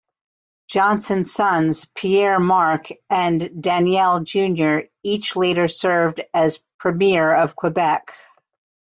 Johnson's sons, Pierre-Marc and Daniel Junior each later served as Premier of Quebec.